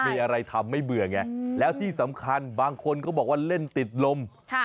มีอะไรทำไม่เบื่อไงแล้วที่สำคัญบางคนก็บอกว่าเล่นติดลม